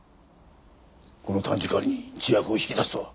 この短時間に自白を引き出すとは。